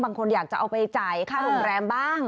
บางคนอยากจะเอาไปจ่ายค่าโรงแรมบ้าง